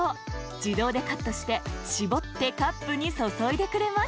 じどうでカットしてしぼってカップにそそいでくれます。